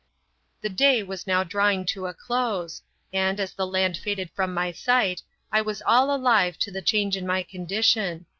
The day was now drawing to a close, and, as the land faded from my sight, I was all alive to the change in my condition.